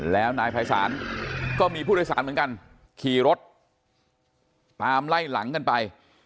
แล้วนายภัยศาลก็มีผู้โดยสารเหมือนกันขี่รถตามไล่หลังกันไป